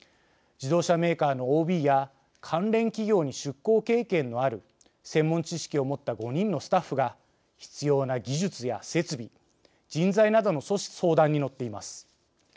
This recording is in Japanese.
自動車メーカーのＯＢや関連企業に出向経験のある専門知識を持った５人のスタッフが必要な技術や設備、人材などの相談に乗っています。